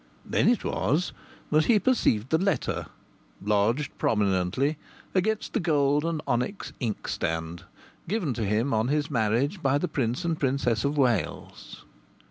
Then it was that he perceived the letter, lodged prominently against the gold and onyx inkstand given to him on his marriage by the Prince and Princess of Wales.